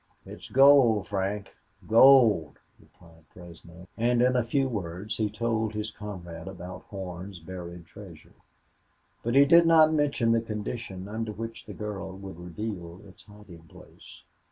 "It's gold, Frank gold," replied Fresno; and in few words he told his comrade about Horn's buried treasure. But he did not mention the condition under which the girl would reveal its hiding place.